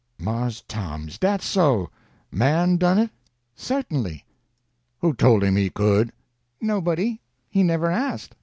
"Mars Tom, is dat so? Man done it?" "Certainly." "Who tole him he could?" "Nobody. He never asked."